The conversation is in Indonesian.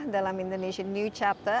dalam indonesian new chapter